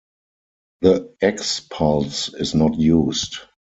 The X pulse is not used.